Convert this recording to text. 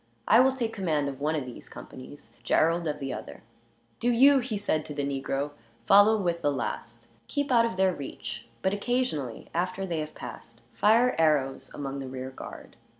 I will take command of one of these companies, Gerald of the other. "Do you," he said to the negro, "follow with the last. Keep out of their reach; but occasionally, after they have passed, fire arrows among the rear guard.